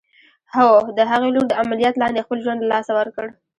هو! د هغې لور د عمليات لاندې خپل ژوند له لاسه ورکړ.